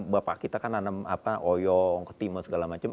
bapak kita kan nanam oyong ketimus segala macam